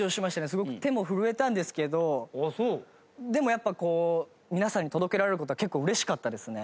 すごく手も震えたんですけどでもやっぱ皆さんに届けられる事が結構嬉しかったですね。